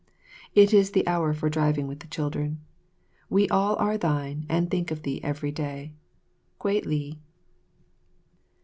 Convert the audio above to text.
It is the hour for driving with the children. We all are thine and think of thee each day. Kwei li.